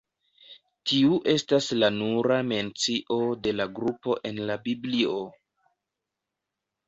Tiu estas la nura mencio de la grupo en la Biblio.